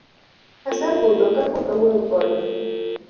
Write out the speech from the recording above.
Asebudho kapok awuoyo kode